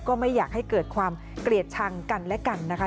ก็ไม่อยากให้เกิดความเกลียดชังกันและกันนะคะ